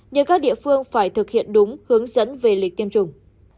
nhưng các địa phương phải thực hiện đúng hướng dẫn về lịch tiêm chủng